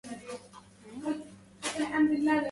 أبى في محاق الشهر أن يظهر البدر